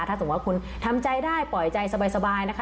ถ้าสมมุติว่าคุณทำใจได้ปล่อยใจสบายนะคะ